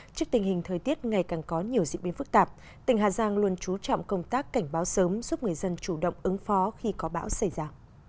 trước tình hình thời tiết ngày càng có nhiều diễn biến phức tạp tỉnh hà giang luôn trú trọng công tác cảnh báo sớm giúp người dân chủ động ứng phó khi có bão xảy ra